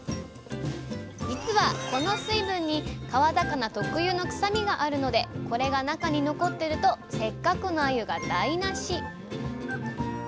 実はこの水分に川魚特有の臭みがあるのでこれが中に残ってるとせっかくのあゆが台なし！